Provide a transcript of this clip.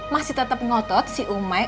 masih tetap ngotot si umai